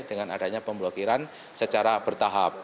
dengan adanya pemblokiran secara bertahap